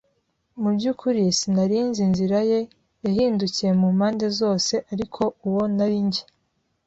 Mubyukuri sinari nzi inzira ye. Yahindukiye mu mpande zose ariko uwo nari njye